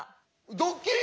ドッキリ？